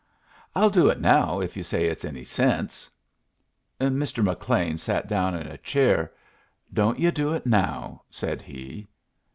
I'll do it now if you say it's any sense." Mr. McLean sat down in a chair. "Don't yu' do it now," said he.